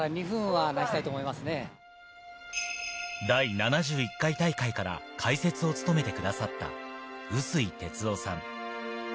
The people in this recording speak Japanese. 第７１回大会から解説を務めてくださった碓井哲雄さん。